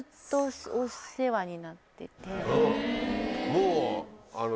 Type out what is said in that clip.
もう。